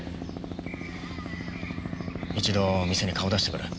一度店に顔出してくる。